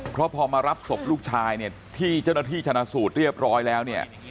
เพราะพอมารับศพลูกชายเนี่ยที่เจ้าหน้าที่ชนะสูตรเรียบร้อยแล้วเนี่ย